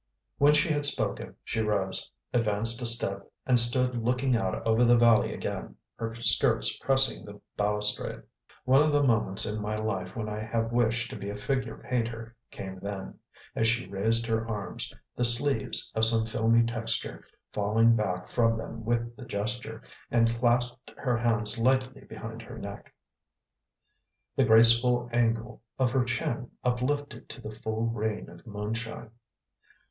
When she had spoken she rose, advanced a step, and stood looking out over the valley again, her skirts pressing the balustrade. One of the moments in my life when I have wished to be a figure painter came then, as she raised her arms, the sleeves, of some filmy texture, falling back from them with the gesture, and clasped her hands lightly behind her neck, the graceful angle of her chin uplifted to the full rain of moonshine.